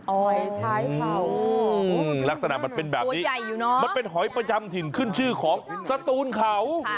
ออยท้ายเข่าลักษณะมันเป็นแบบนี้ใหญ่อยู่เนอะมันเป็นหอยประจำถิ่นขึ้นชื่อของสตูนเขา